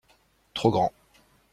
Trop grand.